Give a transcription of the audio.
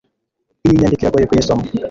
Iyi nyandiko iragoye kuyisoma